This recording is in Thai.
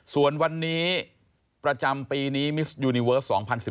ส่วนวันนี้ประจำปีนี้มิสยูนิเวิร์ส๒๐๑๙